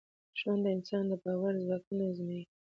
ژوند د انسان د باور ځواک ازمېيي.